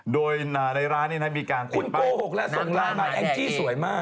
โดยในร้านนี้มีการติดไปคุณโกหกแล้วส่วนร้านใหม่แองจี้สวยมาก